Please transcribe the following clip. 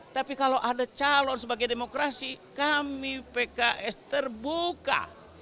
tapi kalau ada calon sebagai demokrasi kami pks terbuka